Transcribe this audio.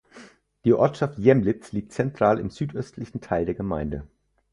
Die Ortschaft Jämlitz liegt zentral im südöstlichen Teil der Gemeinde.